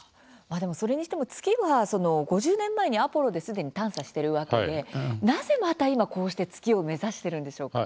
それにしても月は５０年前にアポロですでに探査しているわけでなぜ、また今こうして月を目指しているんでしょうか？